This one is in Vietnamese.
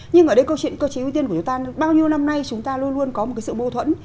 nhưng ở đây câu chuyện cơ chế ưu tiên của chúng ta bao nhiêu năm nay chúng ta luôn luôn có một cái sự mâu thuẫn